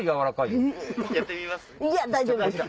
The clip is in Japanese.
いや大丈夫です。